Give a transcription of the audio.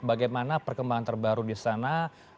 bagaimana perkembangan terbaru di sana